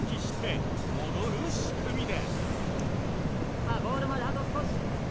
さあゴールまであと少し。